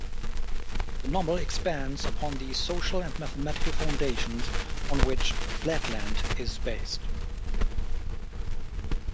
The novel expands upon the social and mathematical foundations on which "Flatland" is based.